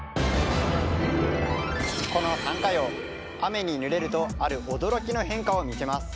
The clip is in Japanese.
このサンカヨウ雨にぬれるとある驚きの変化を見せます。